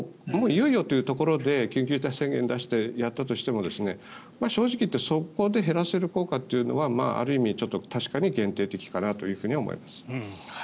いよいよというところで緊急事態宣言を出してやったとしても正直言ってそこで減らせる効果というのはある意味、確かに限定的かなとは思います。